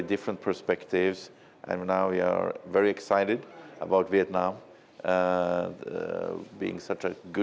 vì thế chúng tôi sẽ dùng lúc này trong hà nội